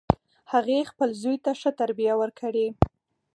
هغې خپل زوی ته ښه تربیه ورکړي